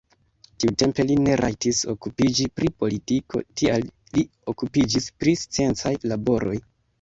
Tiutempe li ne rajtis okupiĝi pri politiko, tial li okupiĝis pri sciencaj laboroj.